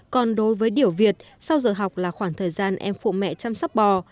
còn đối với điểu việt sau giờ học là khoảng thời gian em phụ mẹ chăm sóc bò